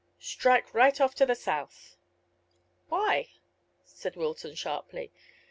"Strike right off to the south." "Why?" said Wilton sharply.